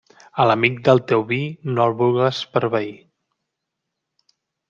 A l'amic del teu vi no el vulgues per veí.